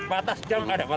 batas jam ada